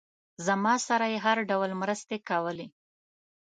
زما سره یې هر ډول مرستې کولې.